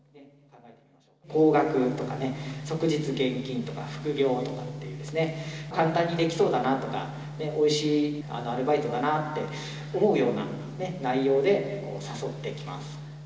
高額とかね、即日現金とか副業とかっていうですね、簡単にできそうだなとか、おいしいアルバイトだなって思うような内容で誘ってきます。